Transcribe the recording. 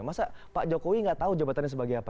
masa pak jokowi nggak tahu jabatannya sebagai apa